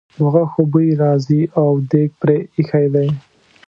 د غوښو بوی راځي او دېګ پرې ایښی دی.